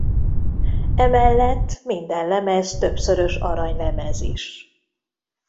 Emellett minden lemez többszörös aranylemez is.